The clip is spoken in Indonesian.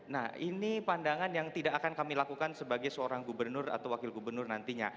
nah ini pandangan yang tidak akan kami lakukan sebagai seorang gubernur atau wakil gubernur nantinya